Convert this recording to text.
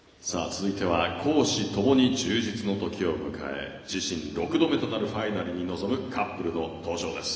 続いては公私共に充実の時を迎え自身６度目のファイナルに臨むカップルの登場です。